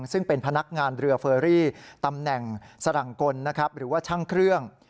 ซึ่งเป็นพนักงานเรือเฟอรี่ตำแหน่งสรังกลหรือว่าช่างเครื่อง